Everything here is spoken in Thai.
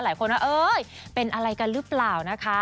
หลายคนว่าเอ้ยเป็นอะไรกันหรือเปล่านะคะ